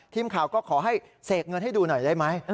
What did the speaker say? ทีมข่าวก็ขอให้เสกเงินให้ดูหน่อยได้ไหม